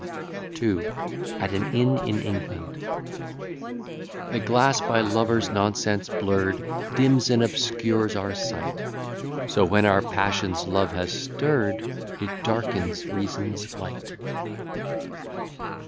II. AT AN INN IN ENGLAND The glass, by lovers' nonsense blurr'd, Dims and obscures our sight; So, when our passions Love has stirr'd, It darkens Reason's light.